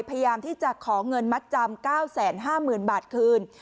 พยายามที่จะขอเงินมัดจำ๙๕๐๐๐บาทคืน